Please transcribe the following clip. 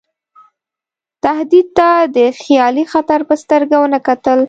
تهدید ته د خیالي خطر په سترګه ونه کتل.